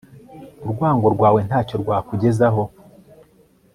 Urwango rwawe ntacyo rwakugezaho